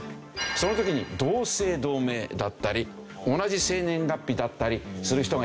その時に同姓同名だったり同じ生年月日だったりする人がいるわけですよね。